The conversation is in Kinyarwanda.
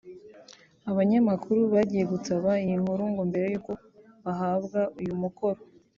Abanyamakuru bagiye gutara iyi nkuru ngo mbere y’uko bahabwa uyu mukoro